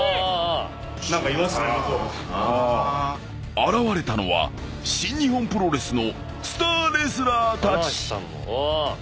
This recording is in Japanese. ［現れたのは新日本プロレスのスターレスラーたち］